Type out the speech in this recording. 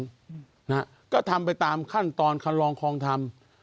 นะฮะก็ทำไปตามขั้นตอนคำลองครองทำ